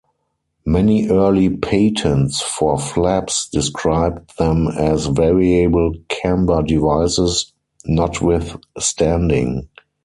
Many early patents for flaps described them as variable camber devices notwithstanding.